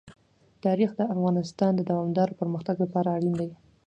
تاریخ د افغانستان د دوامداره پرمختګ لپاره اړین دي.